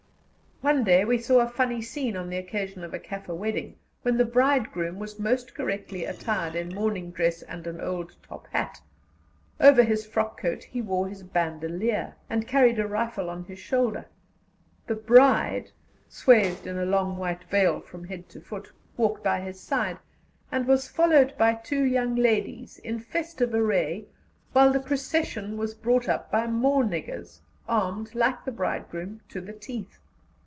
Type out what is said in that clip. One day we saw a funny scene on the occasion of a Kaffir wedding, when the bridegroom was most correctly attired in morning dress and an old top hat. Over his frock coat he wore his bandolier, and carried a rifle on his shoulder; the bride, swathed in a long white veil from head to foot, walked by his side, and was followed by two young ladies in festive array, while the procession was brought up by more niggers, armed, like the bridegroom, to the teeth.